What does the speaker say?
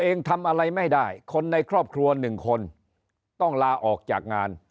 เองทำอะไรไม่ได้คนในครอบครัวหนึ่งคนต้องลาออกจากงาน